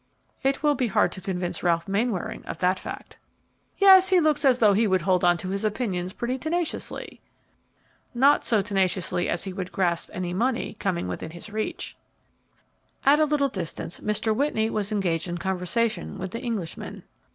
"It will be hard to convince Ralph Mainwaring of that fact." "Yes, he looks as though he would hold on to his opinions pretty tenaciously." "Not so tenaciously as he would grasp any money coming within his reach!" At a little distance, Mr. Whitney was engaged in conversation with the Englishmen.